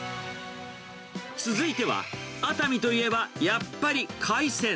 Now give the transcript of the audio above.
続いては、熱海といえば、やっぱり海鮮。